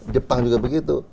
jepang juga begitu